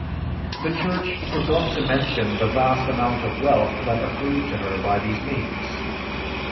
The Church forgot to mention the vast amount of wealth that accrued to her by these means.